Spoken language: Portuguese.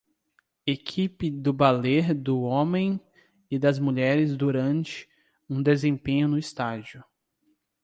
Equipe do ballet do homem e das mulheres durante um desempenho no estágio.